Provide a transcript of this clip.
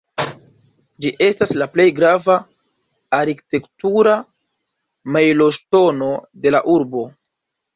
Ĝi estas la plej grava arkitektura mejloŝtono de la urbo.